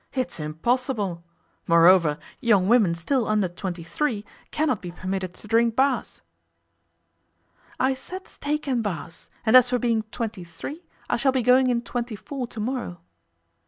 It's impossible! Moreover, young women still under twenty three cannot be permitted to drink Bass.' 'I said steak and Bass, and as for being twenty three, shall be going in twenty four to morrow.